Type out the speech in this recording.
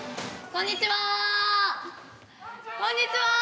こんにちは。